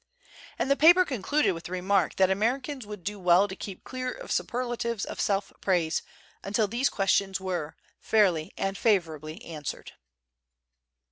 And the paper concluded with the remark that Americans would do well to keep clear of superlatives of self praise until these questions were " fairly and favorably answered.